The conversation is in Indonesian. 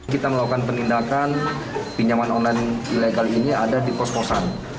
kita melakukan penindakan pinjaman online ilegal ini ada di kos kosan